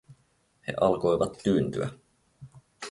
He alkoivat tyyntyä.